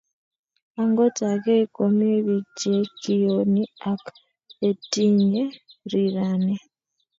Ogot akeny komii biik che kiyonii ak he tinye riranee.